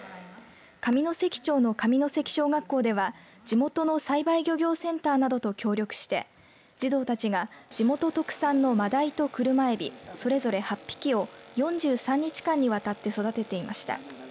上関町の上関小学校では地元の栽培漁業センターなどと協力して児童たちが地元特産のマダイとクルマエビそれぞれ８匹を４３日にわたって育てていました。